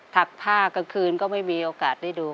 ผ้ากลางคืนก็ไม่มีโอกาสได้ดู